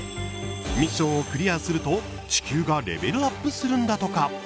ミッションをクリアすると地球がレベルアップするんだとか。